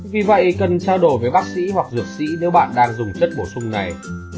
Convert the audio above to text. vì vậy cần trao đổi với bác sĩ hoặc dược sĩ nếu bạn đang dùng chất bổ sung này